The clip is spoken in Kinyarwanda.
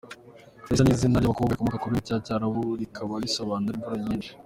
Raissa ni izina ry’abakobwa rikomoka ku rurimi rw’Icyarabu rikaba risobanura “Imvura nyinshi”.